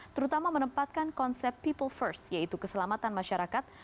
terutama menempatkan konsep people first yaitu keselamatan masyarakat